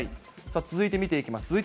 続いて見ていきます。